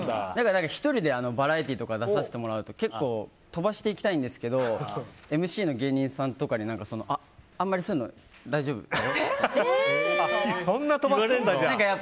１人でバラエティーとか出させてもらうと結構飛ばしていきたいんですけどＭＣの芸人さんとかにあまりそういうの大丈夫って。